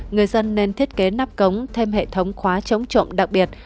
người dân nên thiết kế nắp cống thêm hệ thống khóa chống trộm đặc biệt